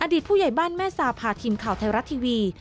ผู้ใหญ่บ้านแม่ซาพาทีมข่าวไทยรัฐทีวี